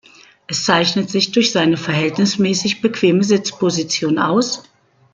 Es zeichnet sich durch seine verhältnismäßig bequeme Sitzposition aus.